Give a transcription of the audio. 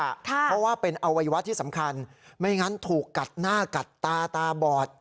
เพราะว่าเป็นอวัยวะที่สำคัญไม่งั้นถูกกัดหน้ากัดตาตาบอด